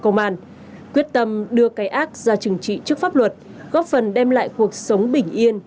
công an quyết tâm đưa cái ác ra trừng trị trước pháp luật góp phần đem lại cuộc sống bình yên